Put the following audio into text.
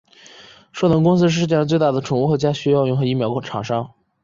硕腾公司是世界上最大的宠物和家畜用药品和疫苗厂商。